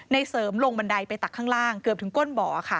เสริมลงบันไดไปตักข้างล่างเกือบถึงก้นบ่อค่ะ